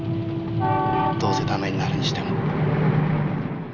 どうせダメになるにしても。